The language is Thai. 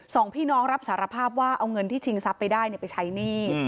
สองพี่น้องรับสารภาพว่าเอาเงินที่ชิงทรัพย์ไปได้ไปใช้หนี้